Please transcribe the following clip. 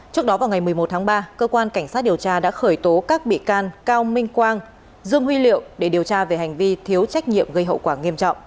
trước đó vào ngày một mươi một tháng ba cơ quan cảnh sát điều tra đã khởi tố các bị can cao minh quang dương huy liệu để điều tra về hành vi thiếu trách nhiệm gây hậu quả nghiêm trọng